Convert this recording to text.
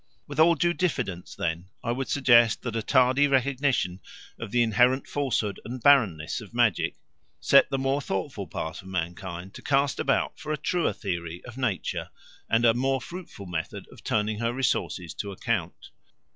With all due diffidence, then, I would suggest that a tardy recognition of the inherent falsehood and barrenness of magic set the more thoughtful part of mankind to cast about for a truer theory of nature and a more fruitful method of turning her resources to account.